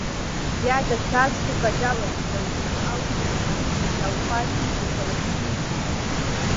بیا د څاڅکو په ډول د ونو او نیالګیو په شاوخوا کې څڅول کېږي.